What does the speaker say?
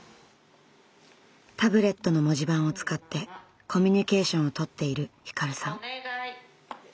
タブレットの文字盤を使ってコミュニケーションを取っているひかるさん。